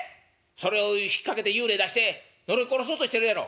それを引っ掛けて幽霊出して呪い殺そうとしてるやろ。